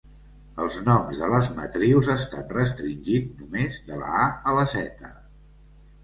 Els noms de matrius estan restringit només de la A a la Z.